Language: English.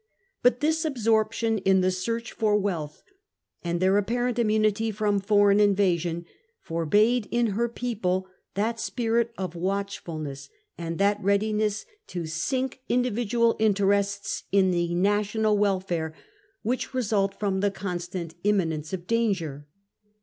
But this absorp tion in the search for wealth, and their apparent immunity from foreign invasion, forbade in her people that spirit of watchfulness and that readiness to sink individual interests in the national welfare which result from the constant imminence of danger.